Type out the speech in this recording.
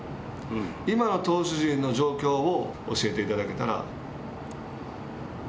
今の投手陣の状況を教えていただけたら。